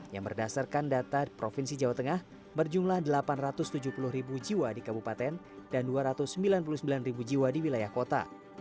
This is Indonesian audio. yang berdasarkan data provinsi jawa tengah berjumlah delapan ratus tujuh puluh ribu jiwa di kabupaten dan dua ratus sembilan puluh sembilan ribu jiwa di wilayah kota